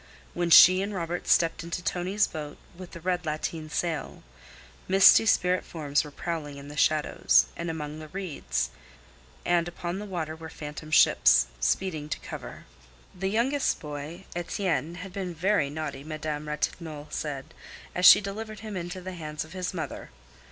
When she and Robert stepped into Tonie's boat, with the red lateen sail, misty spirit forms were prowling in the shadows and among the reeds, and upon the water were phantom ships, speeding to cover. XIV The youngest boy, Etienne, had been very naughty, Madame Ratignolle said, as she delivered him into the hands of his mother.